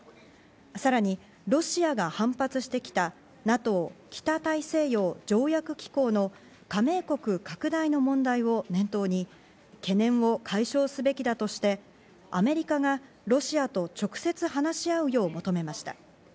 さらにロシアが反発してきたＮＡＴＯ＝北大西洋条約機構の加盟国拡大の問題を念頭に懸念を解消すべきだとして、アメリカがロシアと直接話し合うよう求めました。